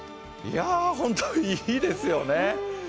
本当にいいですよね。